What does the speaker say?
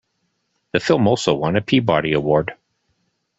The film also won a Peabody Award.